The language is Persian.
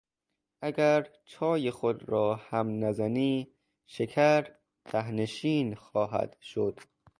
اگر چای خود را هم نزنی شکر تهنشین خواهد شد.